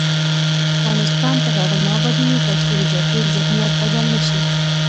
افغانستان تر هغو نه ابادیږي، ترڅو د جګړې ذهنیت بدل نه شي.